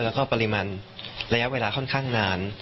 แล้วก็ปริมาณระยะเวลาค่อนข้างนาน